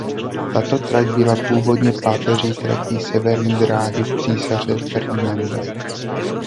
Tato trať byla původně páteřní tratí Severní dráhy císaře Ferdinanda.